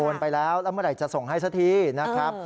ไปแล้วแล้วเมื่อไหร่จะส่งให้สักทีนะครับ